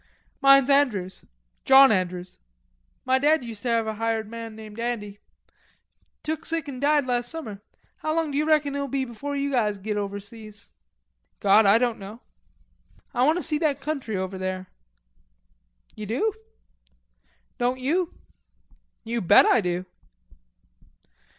"Mine's Andrews, John Andrews." "Ma dad uster have a hired man named Andy. Took sick an' died last summer. How long d'ye reckon it'll be before us guys git overseas?" "God, I don't know." "Ah want to see that country over there." "You do?" "Don't you?" "You bet I do."